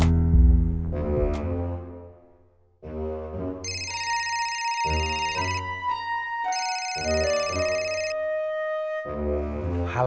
tuuut lu roberts lagunya tall